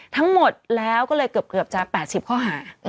ทั้งหมดแล้วก็เลยเกือบจะ๘๐ข้อหา